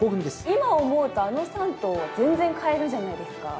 今思うとあの３頭は全然買えるじゃないですか。